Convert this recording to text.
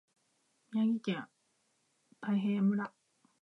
宮城県大衡村